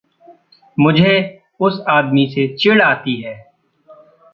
मुझे उस आदमी से चिढ़ आती है।